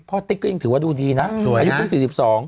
เพราะติ๊กก็ยังถือว่าดูดีนะอายุคือ๔๒